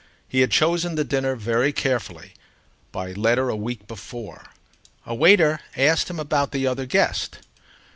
He had chosen the dinner very carefully, by letter a week before. A waiter asked him about the other guest.